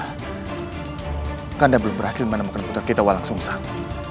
kakak dinda belum berhasil menemukan putra kita walang sungsang